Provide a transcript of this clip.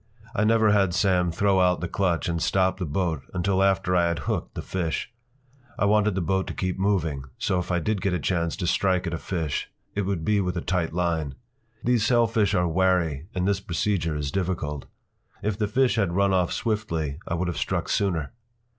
I never had Sam throw out the clutch and stop the boat until after I had hooked the fish. I wanted the boat to keep moving, so if I did get a chance to strike at a fish it would be with a tight line. These sailfish are wary and this procedure is difficult. If the fish had run off swiftly I would have struck sooner.